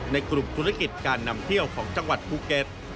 ในกลุ่มธุรกิจการนำเที่ยวของจังหวัดภูเก็ต